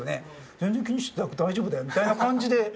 全然気にしてなくて「大丈夫だよ」みたいな感じで。